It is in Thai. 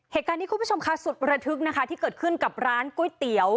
คุณผู้ชมค่ะสุดระทึกนะคะที่เกิดขึ้นกับร้านก๋วยเตี๋ยว